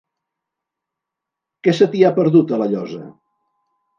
Què se t'hi ha perdut, a La Llosa?